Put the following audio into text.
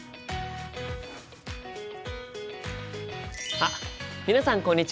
あっ皆さんこんにちは！